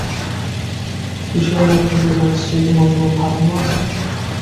কিসের মধ্য দিয়ে যাচ্ছি তোমার কোন ধারণা আছে?